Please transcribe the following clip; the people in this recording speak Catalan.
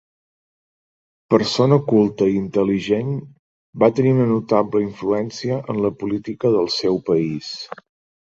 Persona culta i intel·ligent va tenir una notable influència en la política del seu país.